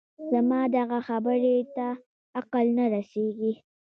زما دغه خبرې ته عقل نه رسېږي